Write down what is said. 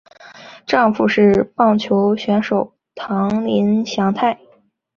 丈夫是棒球选手堂林翔太。